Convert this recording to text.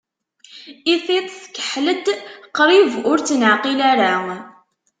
I tiṭ tkeḥḥel-d, qrib ur tt-neɛqil ara.